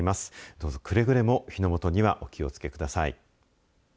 どうぞくれぐれも火の元にはお気をつけください。